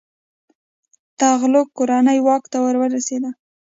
تغلق کورنۍ واک ته ورسیده.